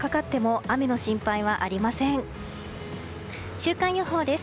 週間予報です。